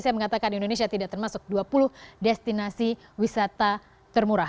saya mengatakan indonesia tidak termasuk dua puluh destinasi wisata termurah